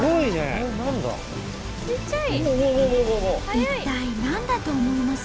一体何だと思います？